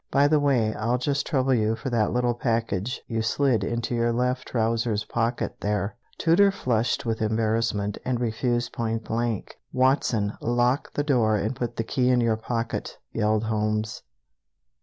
"By the way, I'll just trouble you for that little package you slid into your left trousers pocket there." Tooter flushed with embarrassment, and refused point blank. "Watson, lock the door, and put the key in your pocket!" yelled Holmes.